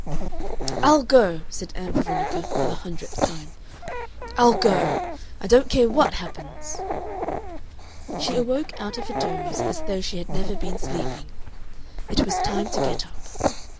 "I'll go," said Ann Veronica for the hundredth time. "I'll go. I don't care WHAT happens." She awoke out of a doze, as though she had never been sleeping. It was time to get up.